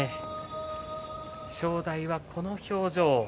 正代はこの表情。